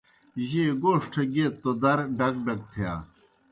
جیئے گوݜٹھہ گیئت توْ در ڈک ڈک تِھیا۔